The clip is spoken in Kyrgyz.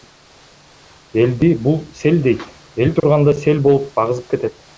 Элди — бул сел дейт, эл турганда сел болуп агызып кетет.